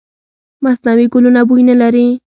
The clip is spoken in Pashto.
مصنوعي ګلونه بوی نه لري.